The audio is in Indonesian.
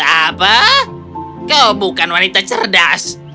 apa kau bukan wanita cerdas